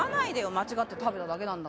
間違って食べただけなんだから。